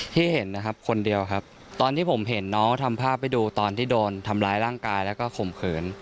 เห็นนะครับคนเดียวครับตอนที่ผมเห็นน้องทำภาพให้ดูตอนที่โดนทำร้ายร่างกายแล้วก็ข่มขืน